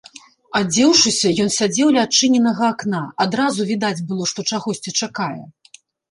Адзеўшыся, ён сядзеў ля адчыненага акна, адразу відаць было, што чагосьці чакае.